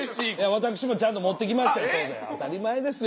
私もちゃんと持ってきました当たり前ですよ